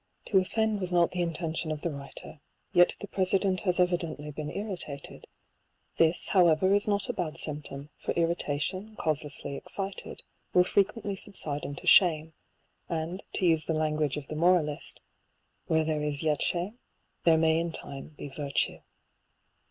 To offend was not the intention of the writer ; yet the President has evidently been irritated ; this, how ever, is not a bad symptom, for irritation, causelessly excited, will frequently subside into shame ; and to use the language of the moralist, " Where there is yet shame, there may in time be virtue."